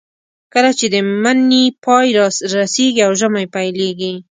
کله چې د مني پای رارسېږي او ژمی پیلېږي.